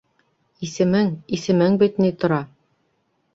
Йсемең, исемең бит ни тора!